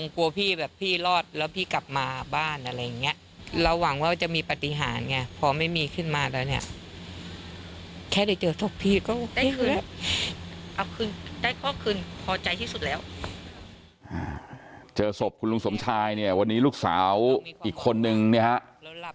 เจอศพคุณลุงสมชายเนี่ยวันนี้ลูกสาวอีกคนนึงเนี่ยฮะ